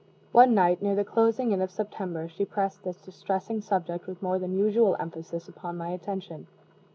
One night, near the closing in of September, she pressed this distressing subject with more than usual emphasis upon my attention.